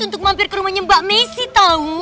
untuk mampir ke rumahnya mbak messi tahu